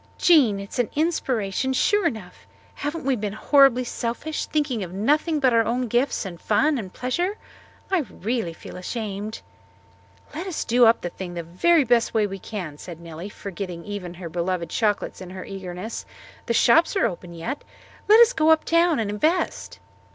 "Jean, it is an inspiration, sure enough. Haven't we been horribly selfish thinking of nothing but our own gifts and fun and pleasure? I really feel ashamed." "Let us do the thing up the very best way we can," said Nellie, forgetting even her beloved chocolates in her eagerness. "The shops are open yet. Let us go up town and invest."